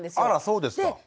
あらそうですか。